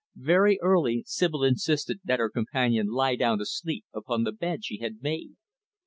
Very early, Sibyl insisted that her companion lie down to sleep upon the bed she had made.